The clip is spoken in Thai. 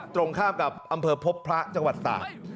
ตรงข้ามกับอำเภอพบพระจังหวัดตาก